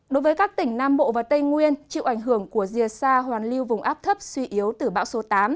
đối với các tỉnh nam bộ và tây nguyên chịu ảnh hưởng của rìa xa hoàn lưu vùng áp thấp suy yếu từ bão số tám